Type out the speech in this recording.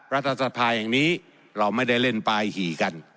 รัฐสภาแห่งนี้เราไม่ได้เล่นปลายหี่กัน